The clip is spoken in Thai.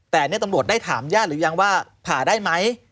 แต่นี่ตำรวจได้ถามญาติหรือยังว่าผ่าได้ไหม